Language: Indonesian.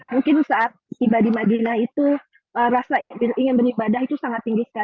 mungkin saat tiba di madinah itu rasa ingin beribadah itu sangat tinggi sekali